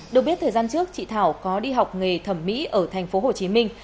được biết thời gian trước chị thảo có đi học nghề thẩm mỹ ở thành phố hồ chí minh